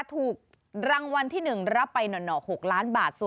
ถูกรางวัลที่๑รับไปหน่อ๖ล้านบาท